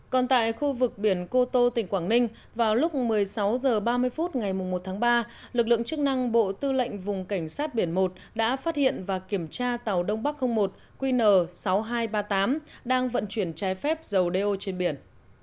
còn tại khu vực biển cô tô tỉnh quảng ninh vào lúc một mươi sáu h ba mươi phút ngày một tháng ba lực lượng chức năng bộ tư lệnh vùng cảnh sát biển một đã phát hiện và kiểm tra tàu đông bắc một qn sáu nghìn hai trăm ba mươi tám đang vận chuyển trái phép dầu đeo trên biển